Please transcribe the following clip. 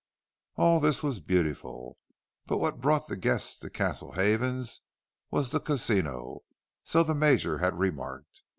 All this was beautiful. But what brought the guests to Castle Havens was the casino, so the Major had remarked.